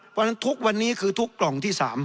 เพราะฉะนั้นทุกวันนี้คือทุกกล่องที่๓